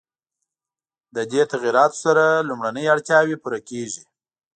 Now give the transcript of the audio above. له دې تغییراتو سره لومړنۍ اړتیاوې پوره کېږي.